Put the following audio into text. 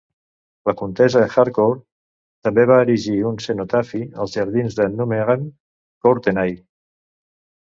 La comtessa Harcourt també va erigir un cenotafi als jardins de Nuneham Courtenay.